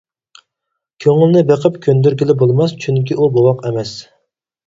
كۆڭۈلنى بېقىپ كۆندۈرگىلى بولماس، چۈنكى ئۇ بوۋاق ئەمەس.